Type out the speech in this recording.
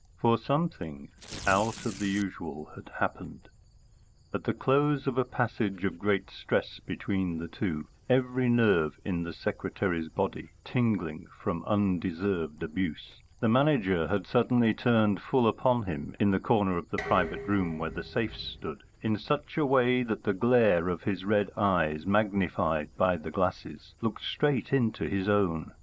For something out of the usual had happened. At the close of a passage of great stress between the two, every nerve in the secretary's body tingling from undeserved abuse, the Manager had suddenly turned full upon him, in the corner of the private room where the safes stood, in such a way that the glare of his red eyes, magnified by the glasses, looked straight into his own.